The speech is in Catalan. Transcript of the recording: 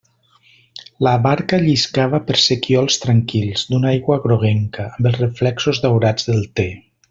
La barca lliscava per sequiols tranquils, d'una aigua groguenca, amb els reflexos daurats del te.